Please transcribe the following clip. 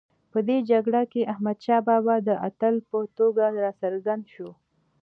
په دې جګړه کې احمدشاه بابا د اتل په توګه راڅرګند شو.